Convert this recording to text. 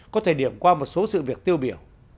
có thể điểm qua một số sự việc tiêu biểu